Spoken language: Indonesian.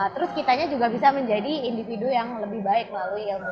terus kitanya juga bisa menjadi individu yang lebih baik melalui ilmu